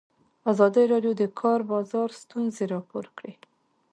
ازادي راډیو د د کار بازار ستونزې راپور کړي.